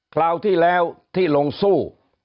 คราวที่แล้วที่ลงสู้